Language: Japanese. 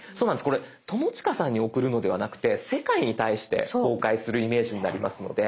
これ友近さんに送るのではなくて世界に対して公開するイメージになりますので。